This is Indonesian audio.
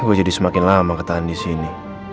gue jadi semakin lama ketahan di sini